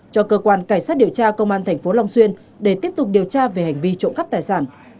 cho cơ quan cảnh sát điều tra công an tp long xuyên để tiếp tục điều tra về hành vi trộm cắp tài sản